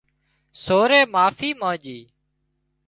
سورئي معافي مانڄي